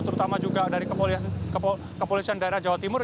terutama juga dari kepolisian daerah jawa timur